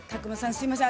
すいません